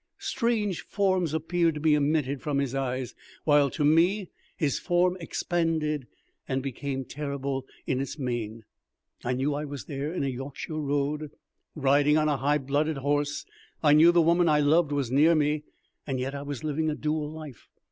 Strange forms appeared to be emitted from his eyes, while to me his form expanded and became terrible in its mien. I knew I was there in a Yorkshire road, riding on a high blooded horse; I knew the woman I loved was near me; and yet I was living a dual life.